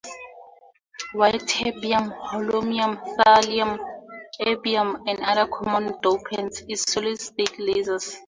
Ytterbium, holmium, thulium, and erbium are other common "dopants" in solid-state lasers.